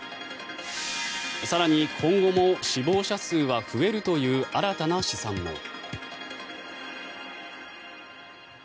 更に、今後も死亡者数は増えるという新たな試算も。